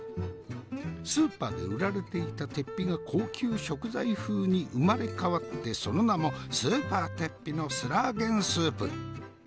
スーパーで売られていたテッピが高級食材風に生まれ変わってその名もスーパーテッピのスラーゲンスープ！